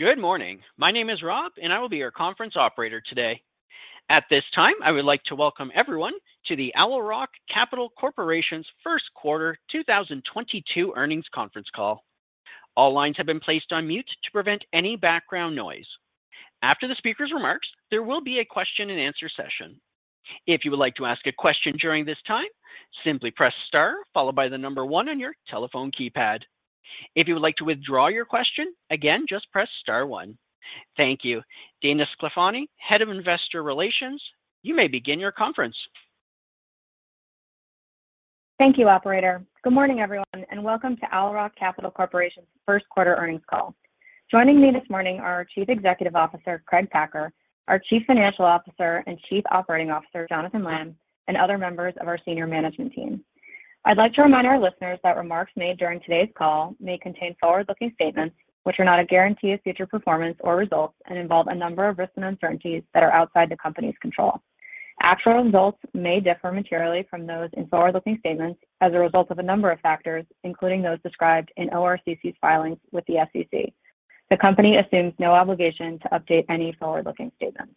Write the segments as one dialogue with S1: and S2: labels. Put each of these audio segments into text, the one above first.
S1: Good morning. My name is Rob, and I will be your conference operator today. At this time, I would like to welcome everyone to the Owl Rock Capital Corporation's Q1 2022 Earnings Conference Call. All lines have been placed on mute to prevent any background noise. After the speaker's remarks, there will be a Q&A session. If you would like to ask a question during this time, simply press star followed by the number one on your telephone keypad. If you would like to withdraw your question, again, just press star one. Thank you. Dana Sclafani, Head of Investor Relations, you may begin your conference.
S2: Thank you, operator. Good morning, everyone, and welcome to Blue Owl Capital Corporation's Q1 Earnings Call. Joining me this morning are our CEO, Craig Packer, our CFO and COO, Jonathan Lamm, and other members of our senior management team. I'd like to remind our listeners that remarks made during today's call may contain forward-looking statements, which are not a guarantee of future performance or results and involve a number of risks and uncertainties that are outside the company's control. Actual results may differ materially from those in forward-looking statements as a result of a number of factors, including those described in ORCC's filings with the SEC. The company assumes no obligation to update any forward-looking statements.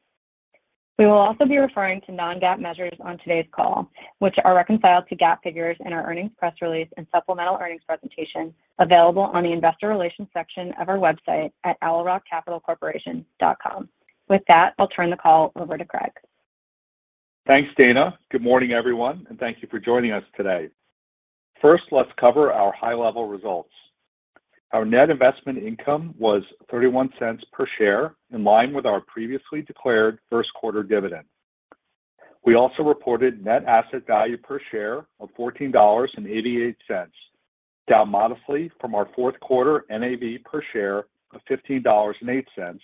S2: We will also be referring to non-GAAP measures on today's call, which are reconciled to GAAP figures in our earnings press release and supplemental earnings presentation available on the investor relations section of our website at blueowlcapitalcorporation.com. With that, I'll turn the call over to Craig.
S3: Thanks, Dana. Good morning, everyone, and thank you for joining us today. First, let's cover our high-level results. Our net investment income was $0.31 per share, in line with our previously declared Q1 dividend. We also reported net asset value per share of $14.88, down modestly from our Q4 NAV per share of $15.08,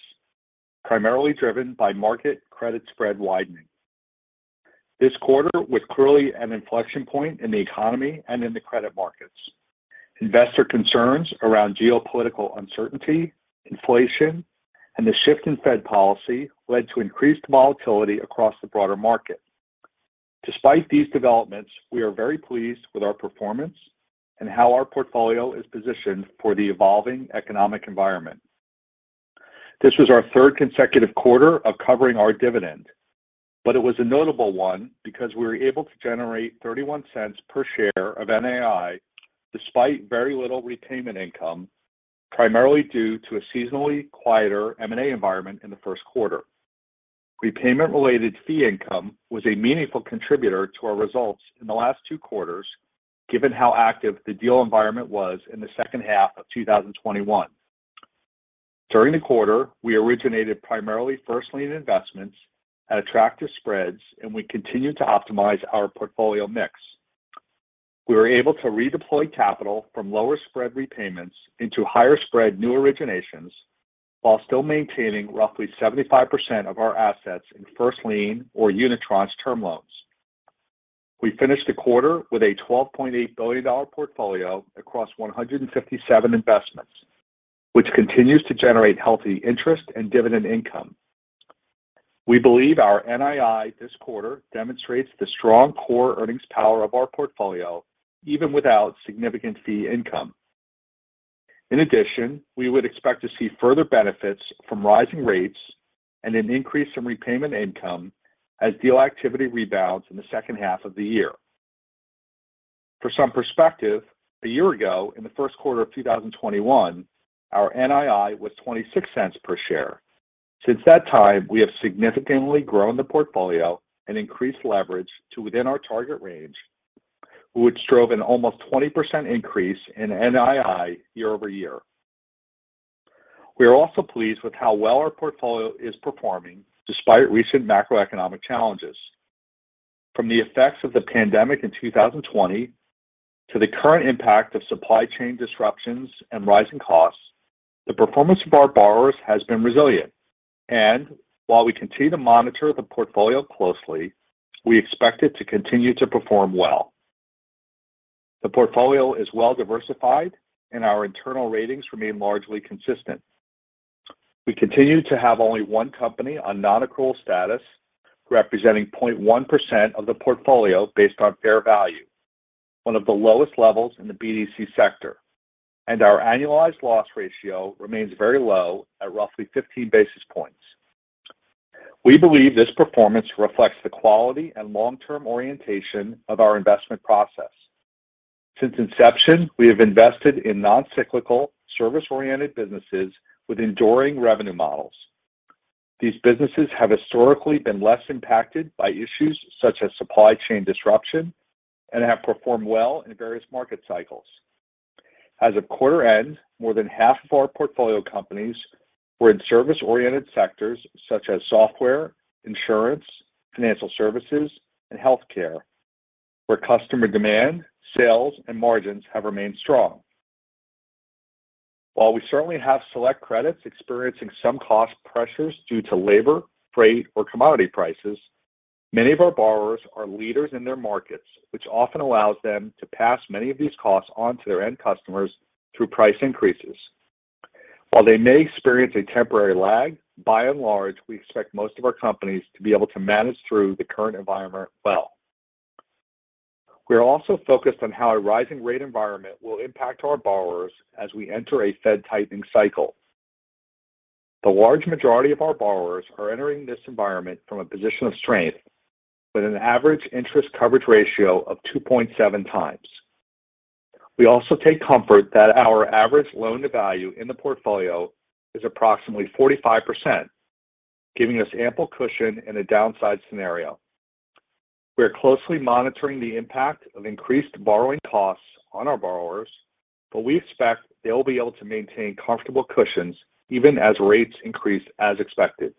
S3: primarily driven by market credit spread widening. This quarter was clearly an inflection point in the economy and in the credit markets. Investor concerns around geopolitical uncertainty, inflation, and the shift in Fed policy led to increased volatility across the broader market. Despite these developments, we are very pleased with our performance and how our portfolio is positioned for the evolving economic environment. This was our third consecutive quarter of covering our dividend, but it was a notable one because we were able to generate $0.31 per share of NII despite very little repayment income, primarily due to a seasonally quieter M&A environment in the Q1. Repayment-related fee income was a meaningful contributor to our results in the last two quarters, given how active the deal environment was in the H2 of 2021. During the quarter, we originated primarily first lien investments at attractive spreads, and we continued to optimize our portfolio mix. We were able to redeploy capital from lower spread repayments into higher spread new originations while still maintaining roughly 75% of our assets in first lien or unitranche term loans. We finished the quarter with a $12.8 billion portfolio across 157 investments, which continues to generate healthy interest and dividend income. We believe our NII this quarter demonstrates the strong core earnings power of our portfolio, even without significant fee income. In addition, we would expect to see further benefits from rising rates and an increase in repayment income as deal activity rebounds in the H2 of the year. For some perspective, a year ago, in the Q1 of 2021, our NII was $0.26 per share. Since that time, we have significantly grown the portfolio and increased leverage to within our target range, which drove an almost 20% increase in NII year-over-year. We are also pleased with how well our portfolio is performing despite recent macroeconomic challenges. From the effects of the pandemic in 2020 to the current impact of supply chain disruptions and rising costs, the performance of our borrowers has been resilient. While we continue to monitor the portfolio closely, we expect it to continue to perform well. The portfolio is well-diversified, and our internal ratings remain largely consistent. We continue to have only one company on non-accrual status, representing 0.1% of the portfolio based on fair value, one of the lowest levels in the BDC sector. Our annualized loss ratio remains very low at roughly 15 basis points. We believe this performance reflects the quality and long-term orientation of our investment process. Since inception, we have invested in non-cyclical, service-oriented businesses with enduring revenue models. These businesses have historically been less impacted by issues such as supply chain disruption and have performed well in various market cycles. As of quarter end, more than half of our portfolio companies were in service-oriented sectors such as software, insurance, financial services, and healthcare, where customer demand, sales, and margins have remained strong. While we certainly have select credits experiencing some cost pressures due to labor, freight, or commodity prices, many of our borrowers are leaders in their markets, which often allows them to pass many of these costs on to their end customers through price increases. While they may experience a temporary lag, by and large, we expect most of our companies to be able to manage through the current environment well. We are also focused on how a rising rate environment will impact our borrowers as we enter a Fed tightening cycle. The large majority of our borrowers are entering this environment from a position of strength with an average interest coverage ratio of 2.7 times. We also take comfort that our average loan to value in the portfolio is approximately 45%, giving us ample cushion in a downside scenario. We are closely monitoring the impact of increased borrowing costs on our borrowers, but we expect they will be able to maintain comfortable cushions even as rates increase as expected.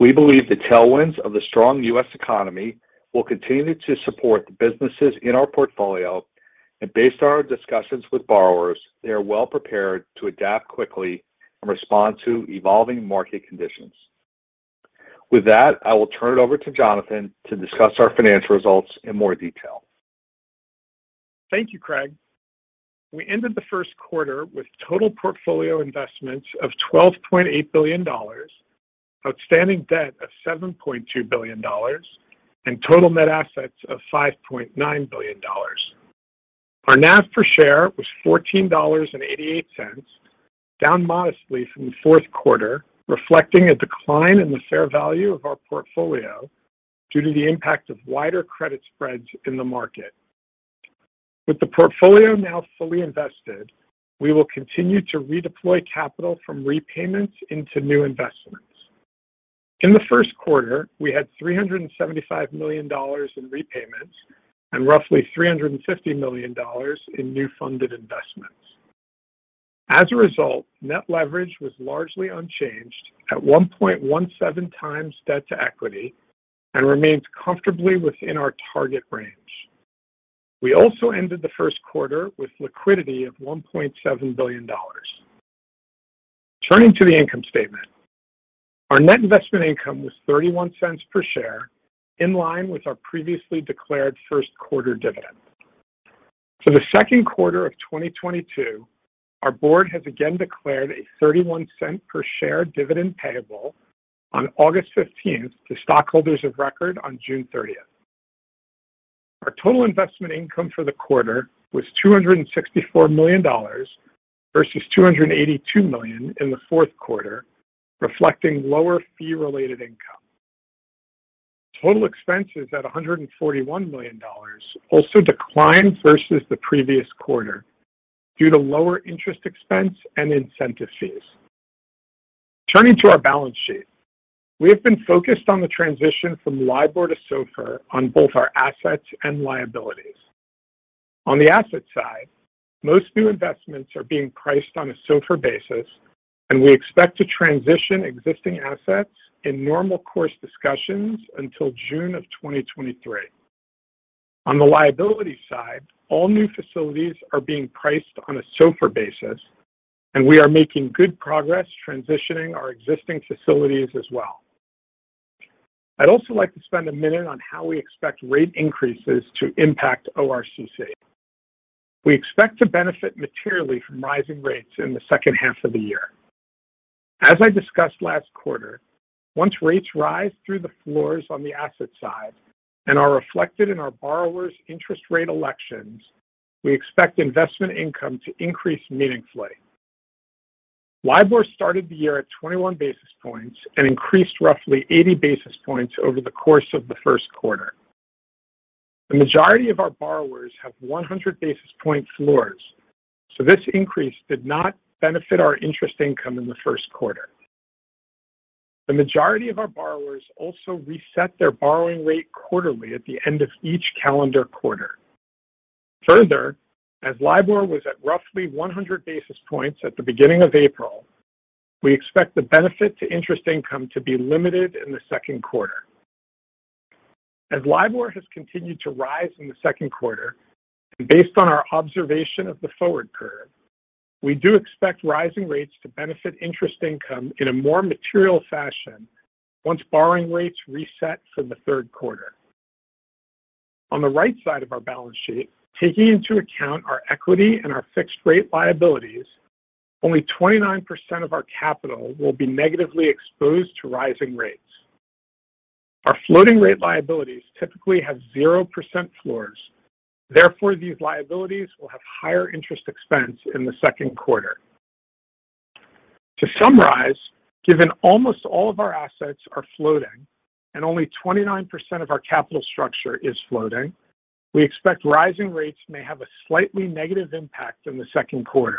S3: We believe the tailwinds of the strong U.S. economy will continue to support the businesses in our portfolio. Based on our discussions with borrowers, they are well prepared to adapt quickly and respond to evolving market conditions. With that, I will turn it over to Jonathan to discuss our financial results in more detail.
S4: Thank you, Craig. We ended the Q1 with total portfolio investments of $12.8 billion, outstanding debt of $7.2 billion, and total net assets of $5.9 billion. Our NAV per share was $14.88, down modestly from the Q4, reflecting a decline in the fair value of our portfolio due to the impact of wider credit spreads in the market. With the portfolio now fully invested, we will continue to redeploy capital from repayments into new investments. In the Q1, we had $375 million in repayments and roughly $350 million in new funded investments. As a result, net leverage was largely unchanged at 1.17x debt to equity and remains comfortably within our target range. We also ended the Q1 with liquidity of $1.7 billion. Turning to the income statement. Our net investment income was $0.31 per share, in line with our previously declared Q1 dividend. For the Q2 of 2022, our board has again declared a $0.31 per share dividend payable on 15th of August to stockholders of record on 30th June. Our total investment income for the quarter was $264 million versus $282 million in the Q4, reflecting lower fee-related income. Total expenses at $141 million also declined versus the previous quarter due to lower interest expense and incentive fees. Turning to our balance sheet. We have been focused on the transition from LIBOR to SOFR on both our assets and liabilities. On the asset side, most new investments are being priced on a SOFR basis, and we expect to transition existing assets in normal course discussions until June of 2023. On the liability side, all new facilities are being priced on a SOFR basis, and we are making good progress transitioning our existing facilities as well. I'd also like to spend a minute on how we expect rate increases to impact ORCC. We expect to benefit materially from rising rates in the H2 of the year. As I discussed last quarter, once rates rise through the floors on the asset side and are reflected in our borrowers' interest rate elections, we expect investment income to increase meaningfully. LIBOR started the year at 21 basis points and increased roughly 80 basis points over the course of the Q1. The majority of our borrowers have 100 basis point floors, so this increase did not benefit our interest income in the Q1. The majority of our borrowers also reset their borrowing rate quarterly at the end of each calendar quarter. Further, as LIBOR was at roughly 100 basis points at the beginning of April, we expect the benefit to interest income to be limited in the Q2. As LIBOR has continued to rise in the Q2, and based on our observation of the forward curve, we do expect rising rates to benefit interest income in a more material fashion once borrowing rates reset for the Q3. On the right side of our balance sheet, taking into account our equity and our fixed rate liabilities, only 29% of our capital will be negatively exposed to rising rates. Our floating rate liabilities typically have 0% floors. Therefore, these liabilities will have higher interest expense in the Q2. To summarize, given almost all of our assets are floating and only 29% of our capital structure is floating, we expect rising rates may have a slightly negative impact in the Q2,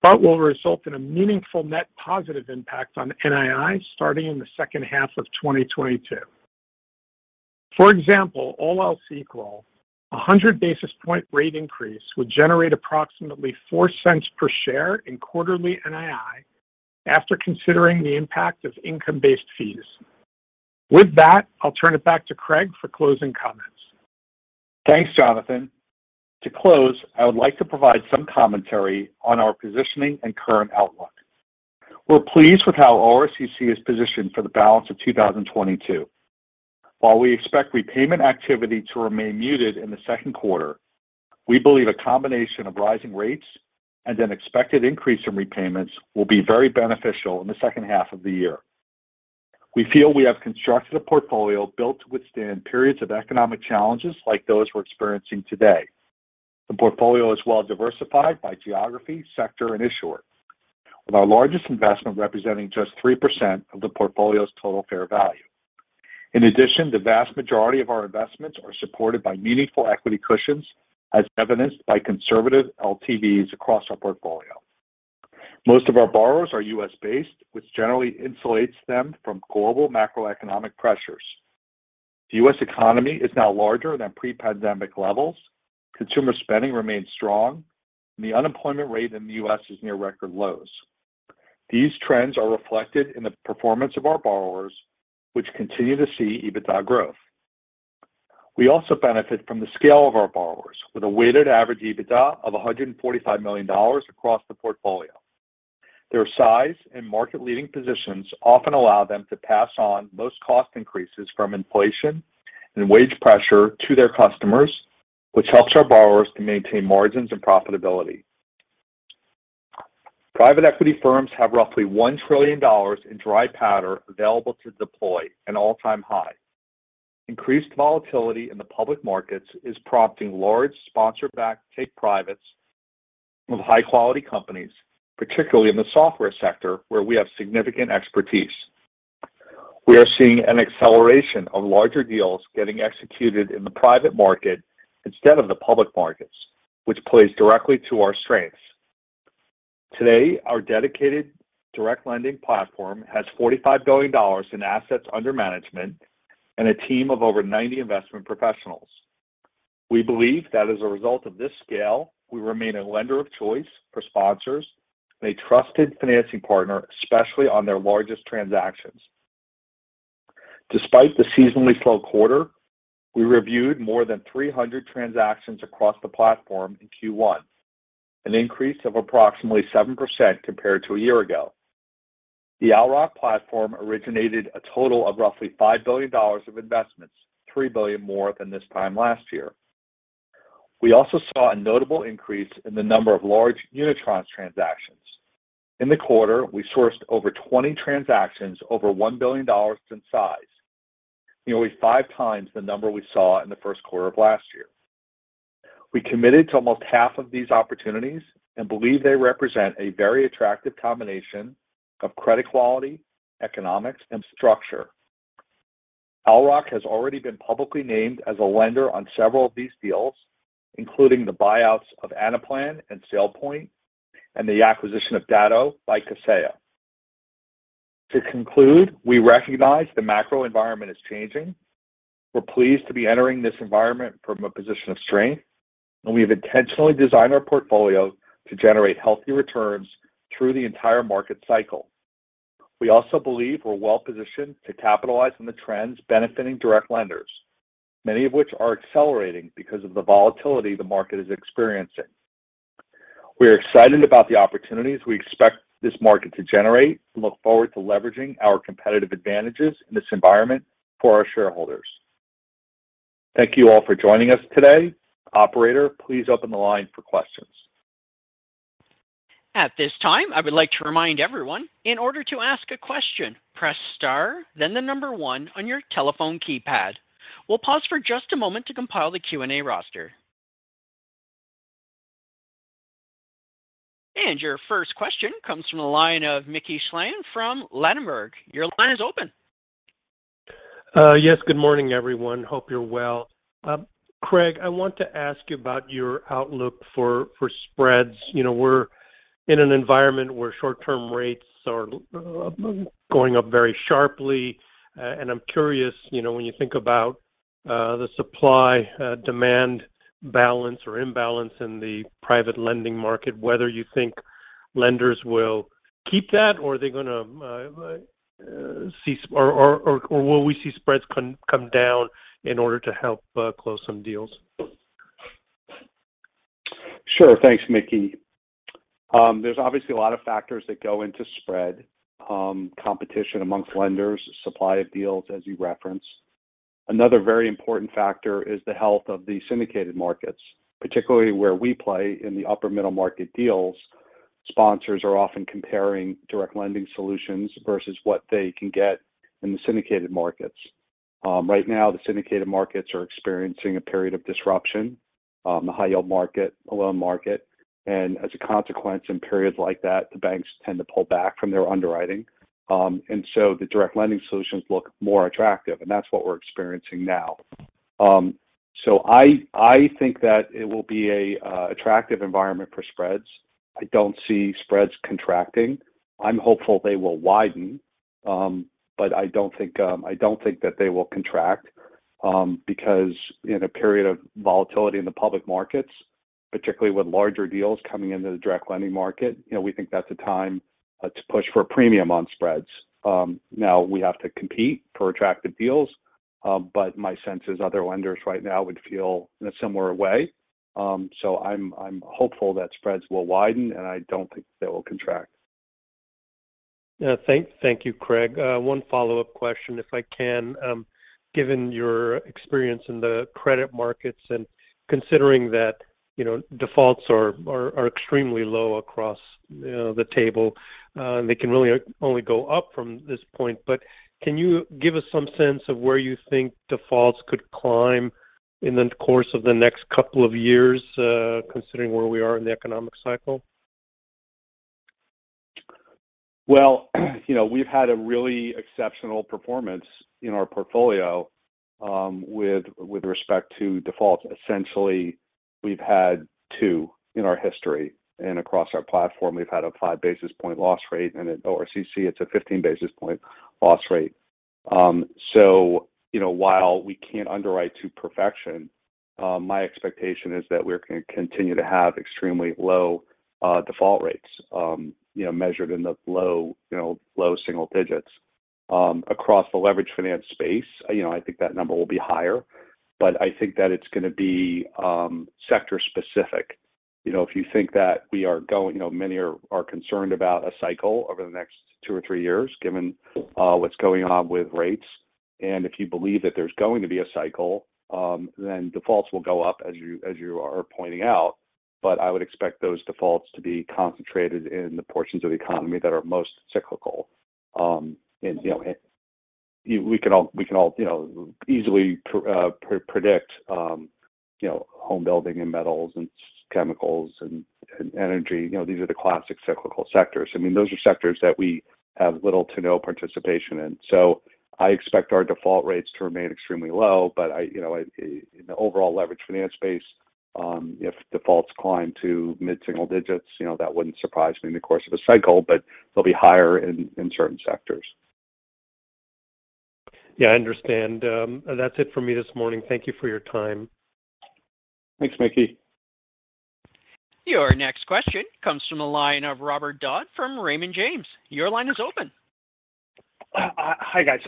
S4: but will result in a meaningful net positive impact on NII starting in the H2 of 2022. For example, all else equal, 100 basis point rate increase would generate approximately $0.04 per share in quarterly NII after considering the impact of income-based fees. With that, I'll turn it back to Craig for closing comments.
S3: Thanks, Jonathan. To close, I would like to provide some commentary on our positioning and current outlook. We're pleased with how ORCC is positioned for the balance of 2022. While we expect repayment activity to remain muted in the Q2, we believe a combination of rising rates and an expected increase in repayments will be very beneficial in theH2 of the year. We feel we have constructed a portfolio built to withstand periods of economic challenges like those we're experiencing today. The portfolio is well-diversified by geography, sector, and issuer, with our largest investment representing just 3% of the portfolio's total fair value. In addition, the vast majority of our investments are supported by meaningful equity cushions, as evidenced by conservative LTVs across our portfolio. Most of our borrowers are U.S.-based, which generally insulates them from global macroeconomic pressures. The U.S. economy is now larger than pre-pandemic levels. Consumer spending remains strong, and the unemployment rate in the U.S. is near record lows. These trends are reflected in the performance of our borrowers, which continue to see EBITDA growth. We also benefit from the scale of our borrowers with a weighted average EBITDA of $145 million across the portfolio. Their size and market-leading positions often allow them to pass on most cost increases from inflation and wage pressure to their customers, which helps our borrowers to maintain margins and profitability. Private equity firms have roughly $1 trillion in dry powder available to deploy, an all-time high. Increased volatility in the public markets is prompting large sponsor-backed take-privates of high-quality companies, particularly in the software sector, where we have significant expertise. We are seeing an acceleration of larger deals getting executed in the private market instead of the public markets, which plays directly to our strengths. Today, our dedicated direct lending platform has $45 billion in assets under management and a team of over 90 investment professionals. We believe that as a result of this scale, we remain a lender of choice for sponsors and a trusted financing partner, especially on their largest transactions. Despite the seasonally slow quarter, we reviewed more than 300 transactions across the platform in Q1, an increase of approximately 7% compared to a year ago. The Owl Rock platform originated a total of roughly $5 billion of investments, $3 billion more than this time last year. We also saw a notable increase in the number of large unitranche transactions. In the quarter, we sourced over 20 transactions over $1 billion in size, nearly 5 times the number we saw in the Q1 of last year. We committed to almost half of these opportunities and believe they represent a very attractive combination of credit quality, economics, and structure. Owl Rock has already been publicly named as a lender on several of these deals, including the buyouts of Anaplan and SailPoint and the acquisition of Datto by Kaseya. To conclude, we recognize the macro environment is changing. We're pleased to be entering this environment from a position of strength, and we have intentionally designed our portfolio to generate healthy returns through the entire market cycle. We also believe we're well-positioned to capitalize on the trends benefiting direct lenders, many of which are accelerating because of the volatility the market is experiencing. We are excited about the opportunities we expect this market to generate and look forward to leveraging our competitive advantages in this environment for our shareholders. Thank you all for joining us today. Operator, please open the line for questions.
S1: At this time, I would like to remind everyone, in order to ask a question, press star, then the number one on your telephone keypad. We'll pause for just a moment to compile the Q&A roster. Your first question comes from the line of Mickey Schleien from Ladenburg Thalmann & Co. Inc. Your line is open.
S5: Yes. Good morning, everyone. Hope you're well. Craig, I want to ask you about your outlook for spreads. You know, we're in an environment where short-term rates are going up very sharply. I'm curious, you know, when you think about the supply demand balance or imbalance in the private lending market, whether you think lenders will keep that, or are they gonna or will we see spreads come down in order to help close some deals?
S3: Sure. Thanks, Mickey. There's obviously a lot of factors that go into spread, competition amongst lenders, supply of deals, as you referenced. Another very important factor is the health of the syndicated markets, particularly where we play in the upper middle market deals. Sponsors are often comparing direct lending solutions versus what they can get in the syndicated markets. Right now, the syndicated markets are experiencing a period of disruption, in the high-yield market, the loan market. As a consequence, in periods like that, the banks tend to pull back from their underwriting. The direct lending solutions look more attractive, and that's what we're experiencing now. I think that it will be an attractive environment for spreads. I don't see spreads contracting. I'm hopeful they will widen, but I don't think that they will contract, because in a period of volatility in the public markets, particularly with larger deals coming into the direct lending market, you know, we think that's a time to push for a premium on spreads. Now we have to compete for attractive deals, but my sense is other lenders right now would feel in a similar way. I'm hopeful that spreads will widen, and I don't think they will contract.
S5: Yeah. Thank you, Craig. One follow-up question, if I can. Given your experience in the credit markets and considering that, you know, defaults are extremely low across the table, and they can really only go up from this point, but can you give us some sense of where you think defaults could climb? In the course of the next couple of years, considering where we are in the economic cycle?
S3: Well, you know, we've had a really exceptional performance in our portfolio, with respect to defaults. Essentially, we've had 2 in our history, and across our platform we've had a 5 basis point loss rate, and at ORCC it's a 15 basis point loss rate. So you know, while we can't underwrite to perfection, my expectation is that we're gonna continue to have extremely low default rates, you know, measured in the low, you know, low single digits. Across the leverage finance space, you know, I think that number will be higher, but I think that it's gonna be sector specific. You know, if you think that we are going. You know, many are concerned about a cycle over the next 2 or 3 years given what's going on with rates. If you believe that there's going to be a cycle, then defaults will go up as you are pointing out. I would expect those defaults to be concentrated in the portions of the economy that are most cyclical. You know, we can all easily predict home building in metals and chemicals and energy. You know, these are the classic cyclical sectors. I mean, those are sectors that we have little to no participation in. I expect our default rates to remain extremely low. I, you know, in the overall leverage finance space, if defaults climb to mid-single digits, you know, that wouldn't surprise me in the course of a cycle, but they'll be higher in certain sectors.
S5: Yeah, I understand. That's it for me this morning. Thank you for your time.
S3: Thanks, Mickey.
S1: Your next question comes from the line of Robert Dodd from Raymond James Financial, Inc. Your line is open.
S6: Hi guys.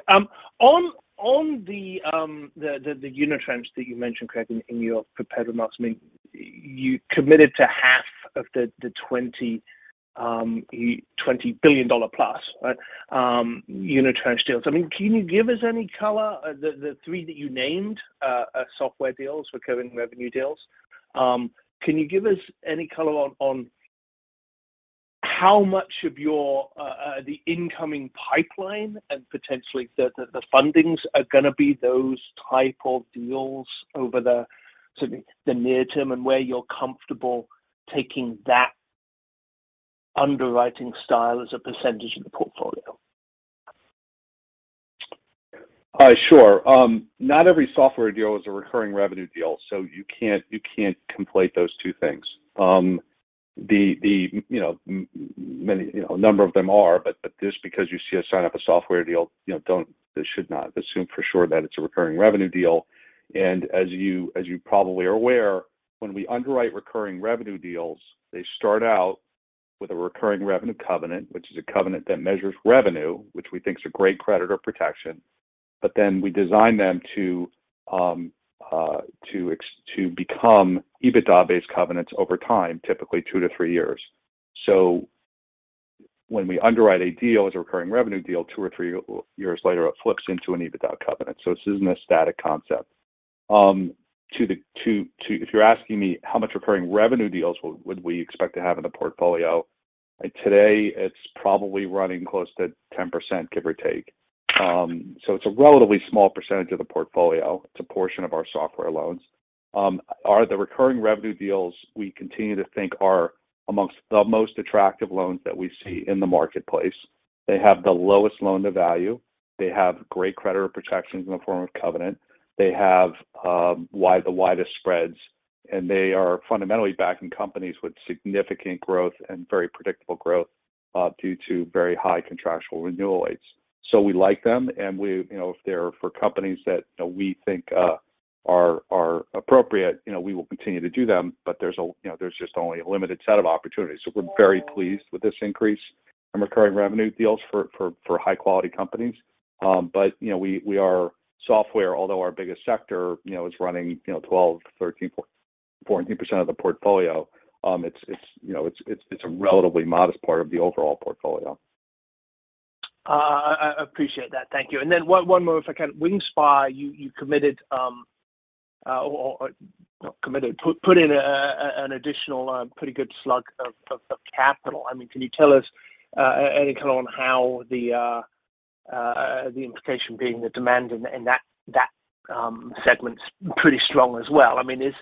S6: On the unitranche that you mentioned, Craig, in your prepared remarks, I mean, you committed to half of the $20 billion-plus, right? Unitranche deals. I mean, can you give us any color, the three that you named are software deals, recurring revenue deals. Can you give us any color on how much of your incoming pipeline and potentially the fundings are gonna be those type of deals over the sort of near term, and where you're comfortable taking that underwriting style as a percentage of the portfolio?
S3: Sure. Not every software deal is a recurring revenue deal, so you can't conflate those two things. The you know many you know a number of them are, but just because you see us sign up a software deal, you know should not assume for sure that it's a recurring revenue deal. As you probably are aware, when we underwrite recurring revenue deals, they start out with a recurring revenue covenant, which is a covenant that measures revenue, which we think is a great creditor protection, but then we design them to become EBITDA-based covenants over time, typically two to three years. When we underwrite a deal as a recurring revenue deal, two or three years later, it flips into an EBITDA covenant, so this isn't a static concept. If you're asking me how much recurring revenue deals would we expect to have in the portfolio, today it's probably running close to 10%, give or take. So it's a relatively small percentage of the portfolio. It's a portion of our software loans. The recurring revenue deals we continue to think are amongst the most attractive loans that we see in the marketplace. They have the lowest loan to value. They have great creditor protections in the form of covenant. They have the widest spreads, and they are fundamentally backing companies with significant growth and very predictable growth due to very high contractual renewal rates. We like them and we, you know, if they're for companies that, you know, we think are appropriate, you know, we will continue to do them. There's you know, there's just only a limited set of opportunities. We're very pleased with this increase in recurring revenue deals for high quality companies. You know, we are software, although our biggest sector, you know, is running you know, 12%-14% of the portfolio. It's a relatively modest part of the overall portfolio.
S6: I appreciate that. Thank you. One more if I can. Wingspire, you committed, or not committed, put in an additional pretty good slug of capital. I mean, can you tell us anything on how the implication being the demand in that segment's pretty strong as well? I mean, is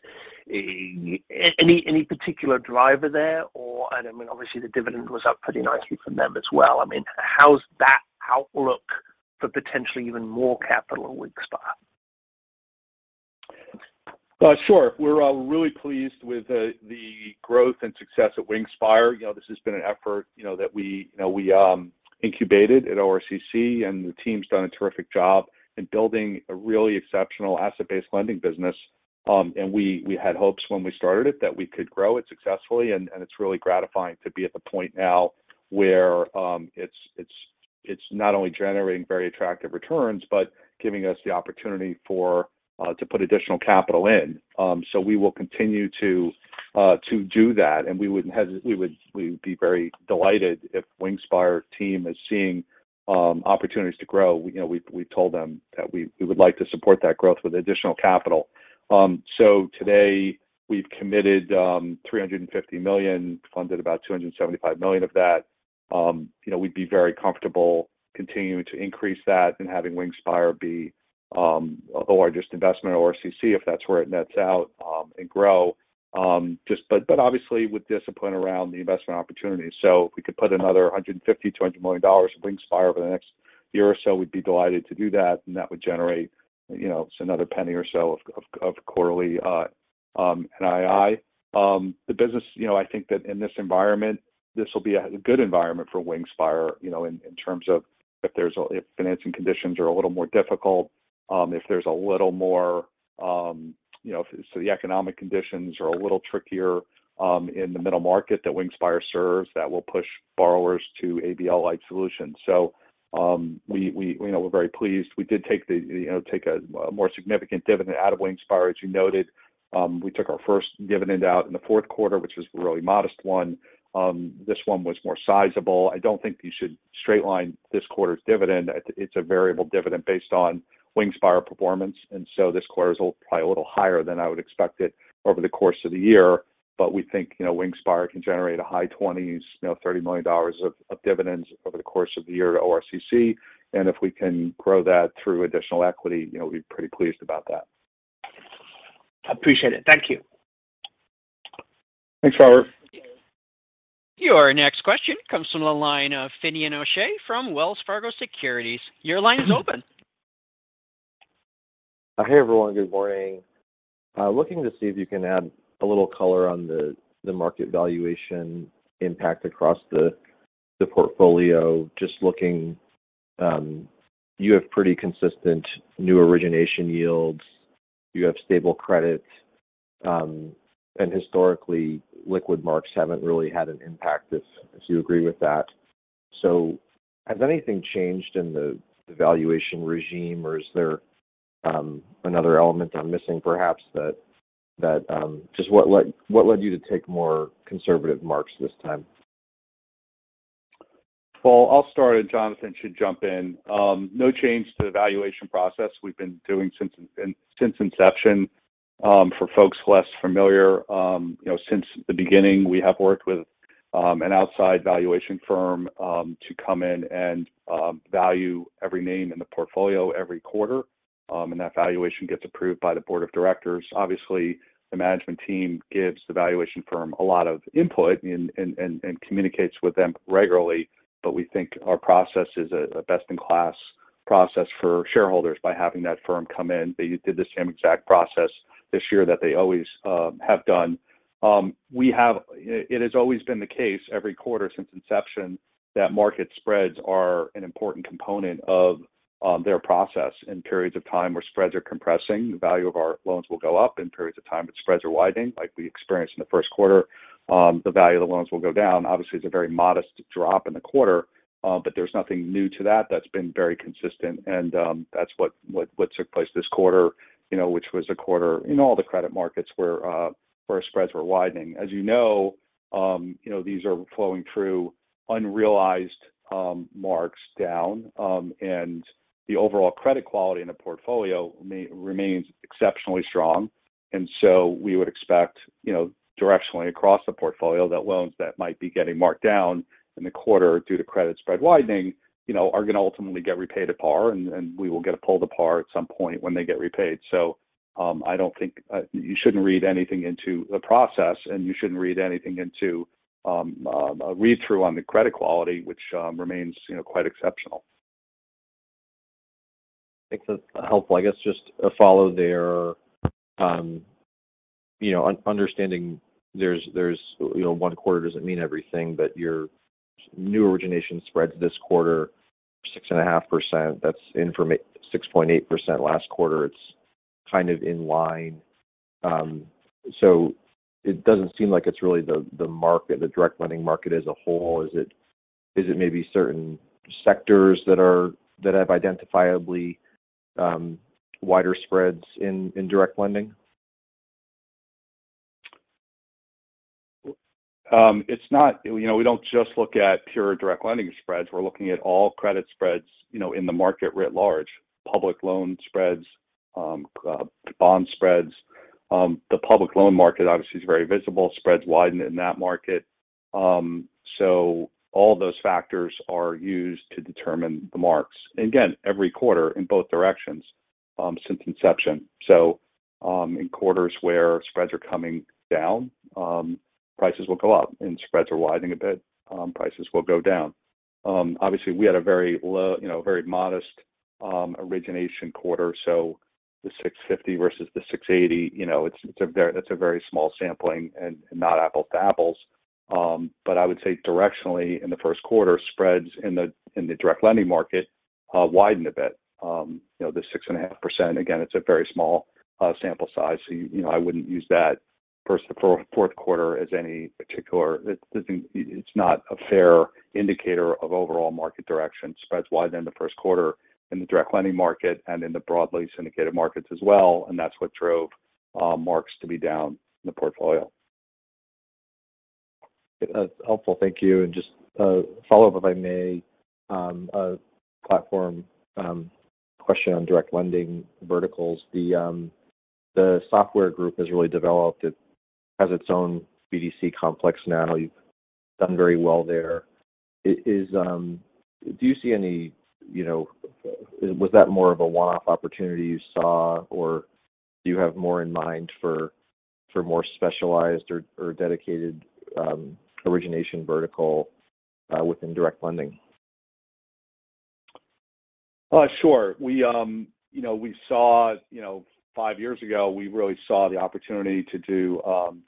S6: any particular driver there or, and I mean, obviously the dividend was up pretty nicely from them as well. I mean, how's that outlook for potentially even more capital in Wingspire?
S3: Sure. We're really pleased with the growth and success at Wingspire. You know, this has been an effort, you know, that we incubated at ORCC, and the team's done a terrific job in building a really exceptional asset-based lending business. We had hopes when we started it that we could grow it successfully. It's really gratifying to be at the point now where it's not only generating very attractive returns, but giving us the opportunity to put additional capital in. We will continue to do that. We would be very delighted if Wingspire team is seeing opportunities to grow. You know, we told them that we would like to support that growth with additional capital. Today we've committed $350 million, funded about $275 million of that. You know, we'd be very comfortable continuing to increase that and having Wingspire be, or just investment ORCC if that's where it nets out, and grow. Obviously with discipline around the investment opportunities. If we could put another $150-$200 million in Wingspire over the next year or so, we'd be delighted to do that, and that would generate, you know, just another penny or so of quarterly NII. The business, you know, I think that in this environment, this will be a good environment for Wingspire, you know, in terms of if financing conditions are a little more difficult, if there's a little more, you know, if the economic conditions are a little trickier in the middle market that Wingspire serves, that will push borrowers to ABL-like solutions. We're very pleased. We did take a more significant dividend out of Wingspire, as you noted. We took our first dividend out in the Q4, which was a really modest one. This one was more sizable. I don't think you should straight line this quarter's dividend. It's a variable dividend based on Wingspire performance. This quarter's probably a little higher than I would expect it over the course of the year. We think, you know, Wingspire can generate a high twenties, you know, $30 million of dividends over the course of the year to ORCC. If we can grow that through additional equity, you know, we'd be pretty pleased about that.
S6: Appreciate it. Thank you.
S3: Thanks, Robert.
S1: Your next question comes from the line of Finian O'Shea from Wells Fargo Securities. Your line is open.
S7: Hey, everyone. Good morning. Looking to see if you can add a little color on the market valuation impact across the portfolio. Just looking, you have pretty consistent new origination yields. You have stable credit. Historically, liquid marks haven't really had an impact as you agree with that. Has anything changed in the valuation regime, or is there another element I'm missing perhaps that. Just what led you to take more conservative marks this time?
S3: Well, I'll start, and Jonathan should jump in. No change to the valuation process we've been doing since inception. For folks less familiar, you know, since the beginning, we have worked with an outside valuation firm to come in and value every name in the portfolio every quarter. That valuation gets approved by the board of directors. Obviously, the management team gives the valuation firm a lot of input and communicates with them regularly. We think our process is a best-in-class process for shareholders by having that firm come in. They did the same exact process this year that they always have done. It has always been the case every quarter since inception that market spreads are an important component of their process. In periods of time where spreads are compressing, the value of our loans will go up. In periods of time that spreads are widening, like we experienced in the Q1, the value of the loans will go down. Obviously, it's a very modest drop in the quarter, but there's nothing new to that. That's been very consistent. That's what took place this quarter, you know, which was a quarter in all the credit markets where spreads were widening. As you know, you know, these are flowing through unrealized marks down, and the overall credit quality in the portfolio remains exceptionally strong. We would expect, you know, directionally across the portfolio, that loans that might be getting marked down in the quarter due to credit spread widening, you know, are going to ultimately get repaid at par, and we will get a pull to par at some point when they get repaid. I don't think you shouldn't read anything into the process, and you shouldn't read anything into a read-through on the credit quality, which remains, you know, quite exceptional.
S7: Think that's helpful. I guess just a follow there. Understanding there's you know one quarter doesn't mean everything, but your new origination spreads this quarter, 6.5%. That's 6.8% last quarter. It's kind of in line. So it doesn't seem like it's really the market, the direct lending market as a whole. Is it maybe certain sectors that have identifiably wider spreads in direct lending?
S3: It's not. You know, we don't just look at pure direct lending spreads. We're looking at all credit spreads, you know, in the market writ large. Public loan spreads, bond spreads. The public loan market obviously is very visible. Spreads widened in that market. All those factors are used to determine the marks. Again, every quarter in both directions, since inception. In quarters where spreads are coming down, prices will go up. When spreads are widening a bit, prices will go down. Obviously, we had a very low, you know, very modest, origination quarter, so the 650 versus the 680, you know, it's a very small sampling and not apples to apples. I would say directionally in the Q1, spreads in the direct lending market widened a bit. You know, the 6.5%, again, it's a very small sample size. You know, I wouldn't use that Q1-Q4 as any particular. It doesn't. It's not a fair indicator of overall market direction. Spreads widened in the Q1 in the direct lending market and in the broadly syndicated markets as well, and that's what drove marks to be down in the portfolio.
S7: That's helpful. Thank you. Just a follow-up, if I may. A platform question on direct lending verticals. The software group has really developed. It has its own BDC complex now. You've done very well there. Do you see any, you know, was that more of a one-off opportunity you saw, or do you have more in mind for more specialized or dedicated origination vertical within direct lending?
S3: Sure. We, you know, we saw, you know, five years ago, we really saw the opportunity to do,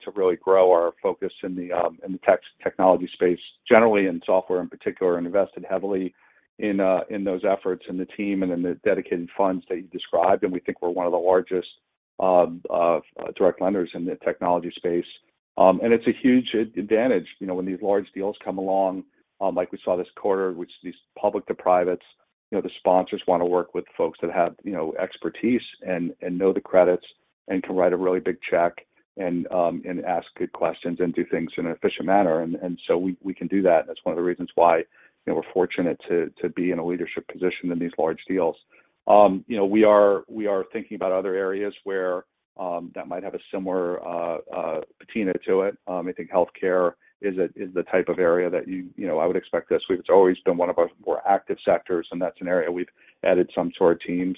S3: to really grow our focus in the, in the technology space generally, in software in particular, and invested heavily in those efforts and the team and in the dedicated funds that you described. We think we're one of the largest, direct lenders in the technology space. It's a huge advantage, you know, when these large deals come along, like we saw this quarter, which these public to privates, you know, the sponsors want to work with folks that have, you know, expertise and know the credits and can write a really big check and ask good questions and do things in an efficient manner. we can do that, and that's one of the reasons why, you know, we're fortunate to be in a leadership position in these large deals. You know, we are thinking about other areas where that might have a similar patina to it. I think healthcare is the type of area that you know, I would expect this. It's always been one of our more active sectors, and that's an area we've added some to our team.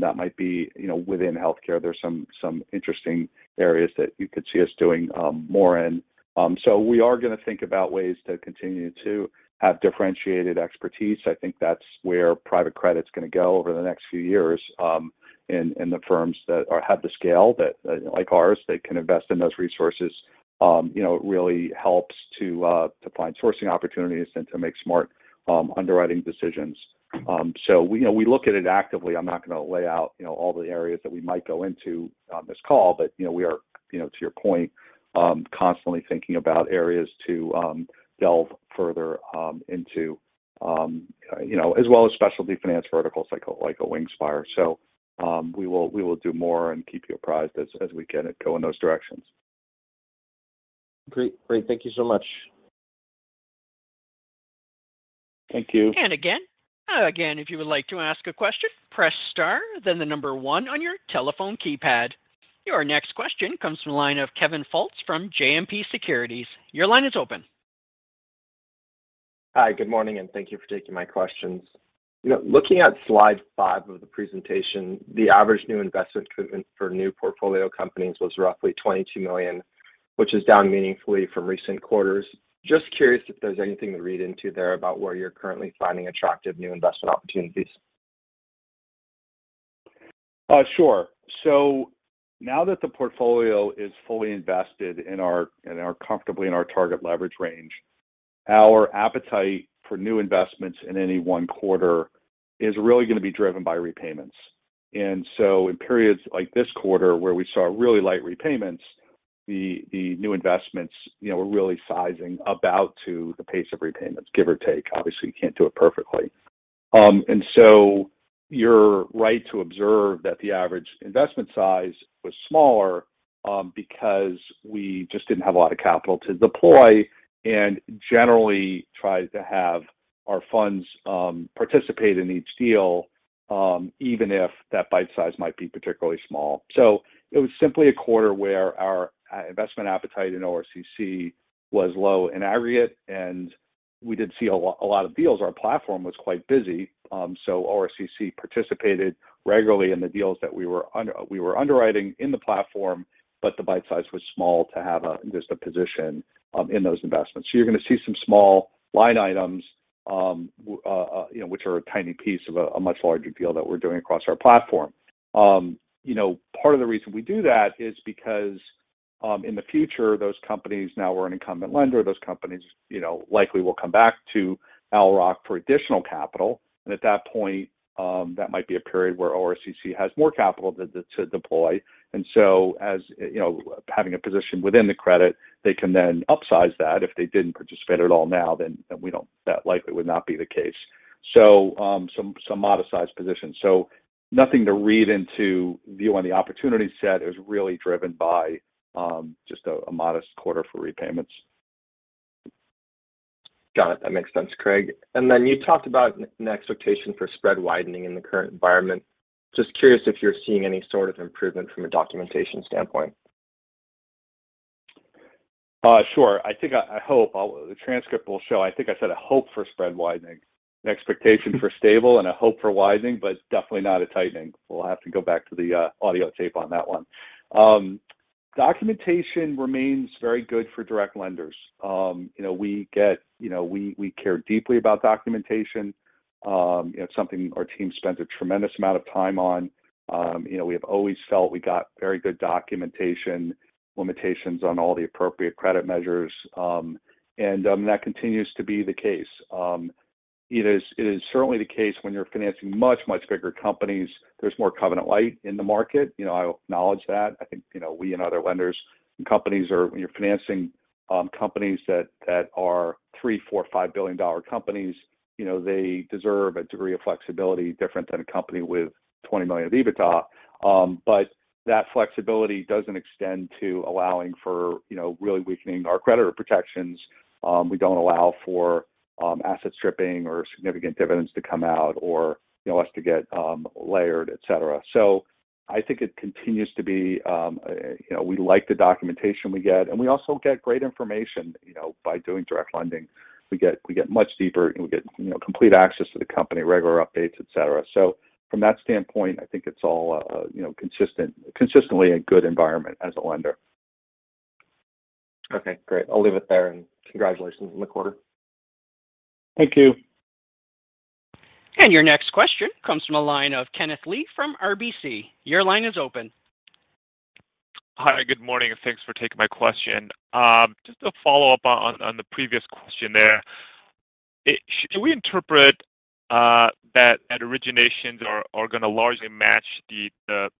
S3: That might be, you know, within healthcare, there's some interesting areas that you could see us doing more in. We are gonna think about ways to continue to have differentiated expertise. I think that's where private credit is going to go over the next few years in the firms that have the scale that, like ours, they can invest in those resources. You know, it really helps to find sourcing opportunities and to make smart underwriting decisions. We, you know, look at it actively. I'm not going to lay out, you know, all the areas that we might go into on this call, but, you know, we are, you know, to your point, constantly thinking about areas to delve further into, you know, as well as specialty finance verticals like a Wingspire. We will do more and keep you apprised as we get into those directions.
S7: Great. Thank you so much.
S3: Thank you.
S1: Again, if you would like to ask a question, press star, then the number one on your telephone keypad. Your next question comes from the line of Kevin Fultz from JMP Securities PNG. Your line is open.
S8: Hi, good morning, and thank you for taking my questions. You know, looking at Slide 5 of the presentation, the average new investment commitment for new portfolio companies was roughly $22 million, which is down meaningfully from recent quarters. Just curious if there's anything to read into there about where you're currently finding attractive new investment opportunities.
S3: Sure. Now that the portfolio is fully invested in our comfortably in our target leverage range, our appetite for new investments in any one quarter is really going to be driven by repayments. In periods like this quarter, where we saw really light repayments, the new investments, you know, we're really sizing about to the pace of repayments, give or take. Obviously, you can't do it perfectly. You're right to observe that the average investment size was smaller, because we just didn't have a lot of capital to deploy and generally try to have our funds participate in each deal, even if that bite size might be particularly small. It was simply a quarter where our investment appetite in ORCC was low in aggregate, and we did see a lot of deals. Our platform was quite busy. ORCC participated regularly in the deals that we were underwriting in the platform, but the bite size was small to have just a position in those investments. You're going to see some small line items, you know, which are a tiny piece of a much larger deal that we're doing across our platform. Part of the reason we do that is because in the future, those companies now we're an incumbent lender, those companies, you know, likely will come back to ORCC for additional capital. At that point, that might be a period where ORCC has more capital to deploy. As, you know, having a position within the credit, they can then upsize that. If they didn't participate at all now, that likely would not be the case. Some modest sized positions. Nothing to read into view on the opportunity set. It was really driven by just a modest quarter for repayments.
S8: Got it. That makes sense, Craig. You talked about an expectation for spread widening in the current environment. Just curious if you're seeing any sort of improvement from a documentation standpoint.
S3: Sure. I think I hope the transcript will show. I think I said a hope for spread widening. An expectation for stable and a hope for widening, but definitely not a tightening. We'll have to go back to the audio tape on that one. Documentation remains very good for direct lenders. You know, we care deeply about documentation. It's something our team spends a tremendous amount of time on. You know, we have always felt we got very good documentation, limitations on all the appropriate credit measures, and that continues to be the case. It is certainly the case when you're financing much bigger companies. There's more covenant light in the market. You know, I acknowledge that. I think, you know, we and other lenders and companies are, when you're financing, companies that are 3, 4, 5 billion-dollar companies, you know, they deserve a degree of flexibility different than a company with 20 million of EBITDA. That flexibility doesn't extend to allowing for, you know, really weakening our creditor protections. We don't allow for asset stripping or significant dividends to come out or, you know, us to get layered, etc. I think it continues to be, you know, we like the documentation we get, and we also get great information, you know, by doing direct lending. We get much deeper and we get complete access to the company, regular updates, etc. From that standpoint, I think it's all, you know, consistently a good environment as a lender.
S8: Okay, great. I'll leave it there, and congratulations on the quarter.
S3: Thank you.
S1: Your next question comes from the line of Kenneth Lee from RBC Capital Markets, LLC. Your line is open.
S9: Hi, good morning, and thanks for taking my question. Just a follow-up on the previous question there. Should we interpret that originations are gonna largely match the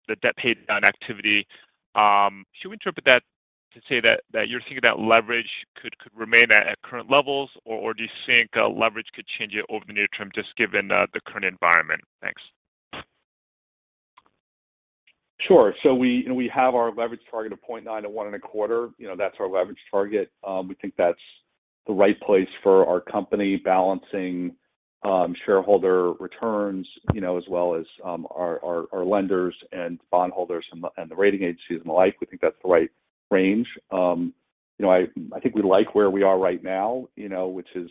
S9: debt paydown activity? Should we interpret that to say that you're thinking that leverage could remain at current levels, or do you think leverage could change it over the near term just given the current environment? Thanks.
S3: Sure. We, you know, we have our leverage target of 0.9-1.25. You know, that's our leverage target. We think that's the right place for our company balancing shareholder returns, you know, as well as our lenders and bondholders and the rating agencies and the like. We think that's the right range. You know, I think we like where we are right now, you know, which is,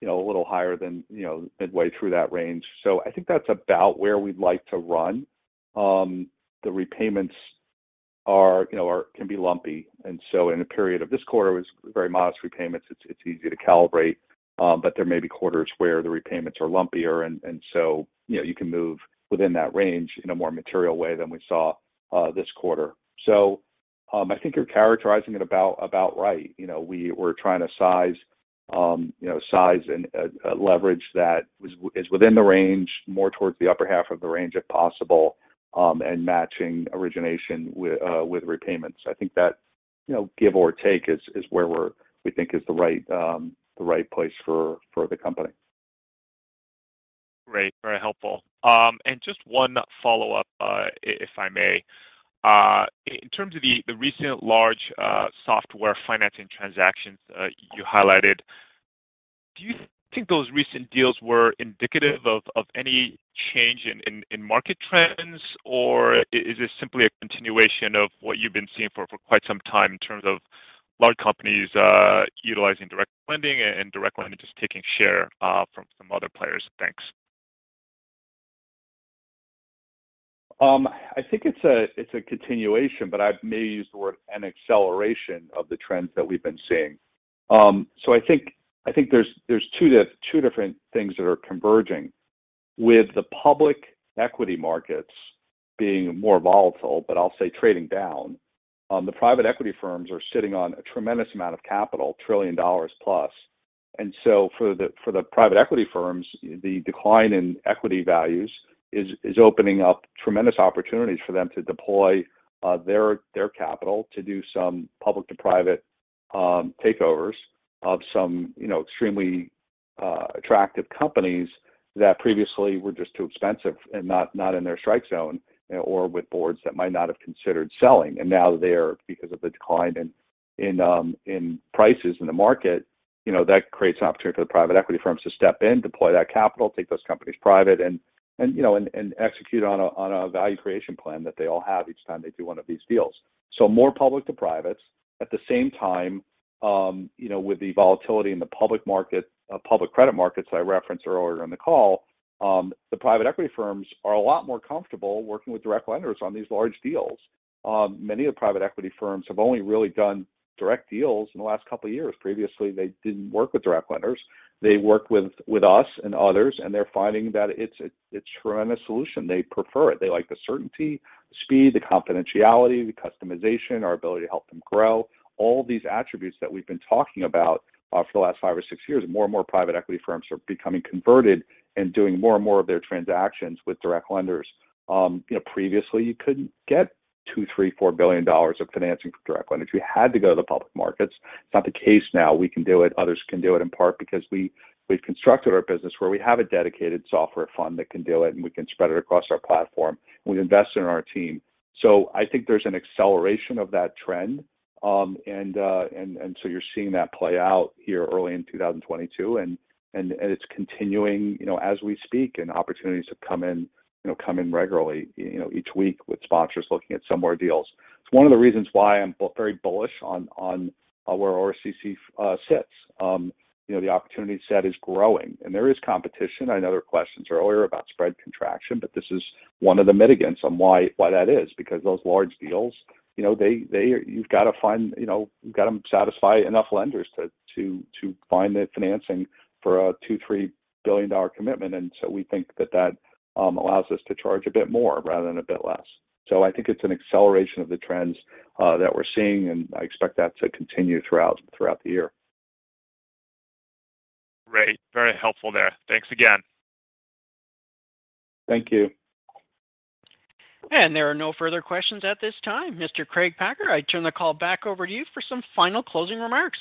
S3: you know, a little higher than midway through that range. I think that's about where we'd like to run. The repayments are, you know, can be lumpy. In a period like this quarter was very modest repayments, it's easy to calibrate. There may be quarters where the repayments are lumpier and so, you know, you can move within that range in a more material way than we saw this quarter. I think you're characterizing it about right. You know, we were trying to size and leverage that is within the range, more towards the upper half of the range if possible, and matching origination with repayments. I think that, you know, give or take is where we think is the right place for the company.
S9: Great. Very helpful. Just one follow-up, if I may. In terms of the recent large software financing transactions you highlighted, do you think those recent deals were indicative of any change in market trends, or is this simply a continuation of what you've been seeing for quite some time in terms of large companies utilizing direct lending just taking share from some other players? Thanks.
S3: I think it's a continuation, but I may use the word an acceleration of the trends that we've been seeing. I think there's two different things that are converging. With the public equity markets being more volatile, but I'll say trading down, the private equity firms are sitting on a tremendous amount of capital, $1 trillion plus. For the private equity firms, the decline in equity values is opening up tremendous opportunities for them to deploy their capital to do some public to private takeovers of some, you know, extremely attractive companies that previously were just too expensive and not in their strike zone or with boards that might not have considered selling. Now there because of the decline in prices in the market, you know, that creates an opportunity for the private equity firms to step in, deploy that capital, take those companies private and, you know, execute on a value creation plan that they all have each time they do one of these deals. More public to privates. At the same time, you know, with the volatility in the public market, public credit markets I referenced earlier in the call, the private equity firms are a lot more comfortable working with direct lenders on these large deals. Many of the private equity firms have only really done direct deals in the last couple of years. Previously, they didn't work with direct lenders. They worked with us and others, and they're finding that it's a tremendous solution. They prefer it. They like the certainty, speed, the confidentiality, the customization, our ability to help them grow. All these attributes that we've been talking about for the last 5 or 6 years, more and more private equity firms are becoming converted and doing more and more of their transactions with direct lenders. You know, previously you couldn't get $2 billion, $3 billion, $4 billion of financing from direct lenders. You had to go to the public markets. It's not the case now. We can do it. Others can do it in part because we've constructed our business where we have a dedicated software fund that can do it, and we can spread it across our platform, and we invest in our team. I think there's an acceleration of that trend. You're seeing that play out here early in 2022. It's continuing, you know, as we speak and opportunities to come in, you know, come in regularly, you know, each week with sponsors looking at some more deals. It's one of the reasons why I'm very bullish on where ORCC sits. You know, the opportunity set is growing and there is competition. I know there were questions earlier about spread contraction, but this is one of the mitigants on why that is because those large deals, you know, you've got to find, you know, you've got to satisfy enough lenders to find the financing for a $2-$3 billion commitment. We think that allows us to charge a bit more rather than a bit less. I think it's an acceleration of the trends that we're seeing, and I expect that to continue throughout the year.
S9: Great. Very helpful there. Thanks again.
S3: Thank you.
S1: There are no further questions at this time. Mr. Craig Packer, I turn the call back over to you for some final closing remarks.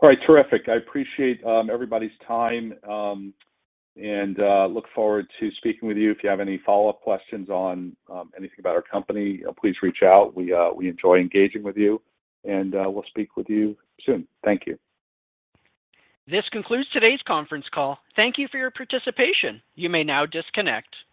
S3: All right. Terrific. I appreciate everybody's time and look forward to speaking with you. If you have any follow-up questions on anything about our company, please reach out. We enjoy engaging with you, and we'll speak with you soon. Thank you.
S1: This concludes today's conference call. Thank you for your participation. You may now disconnect.